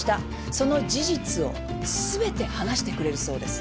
その事実をすべて話してくれるそうです。